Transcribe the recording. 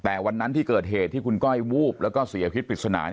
แต่วันนั้นที่เกิดเหตุที่คุณก้อยวูบแล้วก็เสียพิษปริศนา